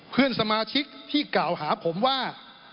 เพื่อนสมาชิกที่กล่าวหาผมว่า